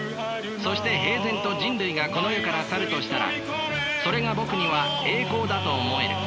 そして平然と人類がこの世から去るとしたらそれがぼくには栄光だと思える。